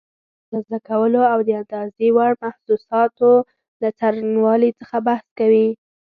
د اندازه کولو او د اندازې وړ محسوساتو له څرنګوالي څخه بحث کوي.